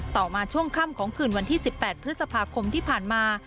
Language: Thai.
ต่อมาช่วงค่ำของคืนวันที่๑๘พฤษภาคมที่ผ่านมา